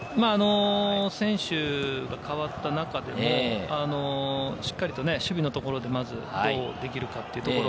選手が代わった中でもしっかりと守備のところでまず、どうできるかというところ。